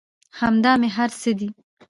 همدا مې هر څه دى.